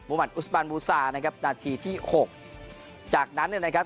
มันอุสบานบูซานะครับนาทีที่หกจากนั้นเนี่ยนะครับ